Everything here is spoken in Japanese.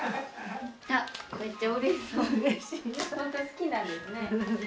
本当に好きなんですね。